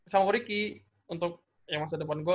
sama riki untuk masa depan gue